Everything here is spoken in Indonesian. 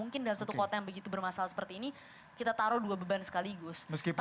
kota yang begitu bermasalah seperti ini kita taruh dua beban sekaligus